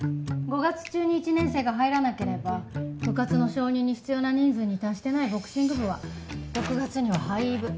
５月中に１年生が入らなければ部活の承認に必要な人数に達してないボクシング部は６月には廃部。